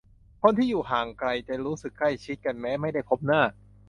คนที่อยู่ห่างไกลจะรู้สึกใกล้ชิดกันแม้ไม่ได้พบหน้า